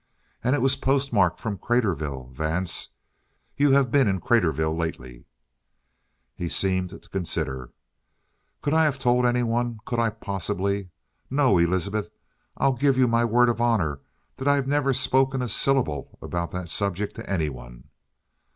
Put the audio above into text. "And it was postmarked from Craterville. Vance, you have been in Craterville lately!" He seemed to consider. "Could I have told anyone? Could I, possibly? No, Elizabeth, I'll give you my word of honor that I've never spoken a syllable about that subject to anyone!"